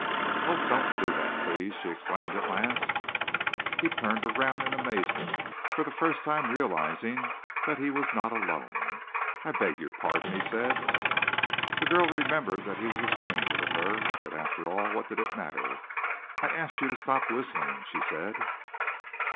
"Oh, don't do that, please!" she exclaimed at last. He turned around in amazement, for the first time realizing that he was not alone. "I beg your pardon," he said. The girl remembered that he was a stranger to her, but after all, what did it matter? "I asked you to stop whistling," she said.